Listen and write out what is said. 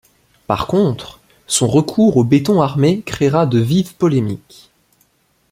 Par contre, son recours au béton armé créera de vives polémiques.